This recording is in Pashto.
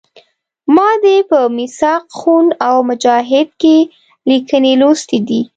ما دې په میثاق خون او مجاهد کې لیکنې لوستي دي.